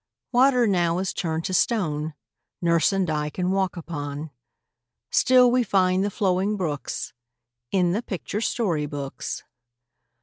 Water now is turned to stone Nurse and I can walk upon; Still we find the flowing brooks In the picture story books.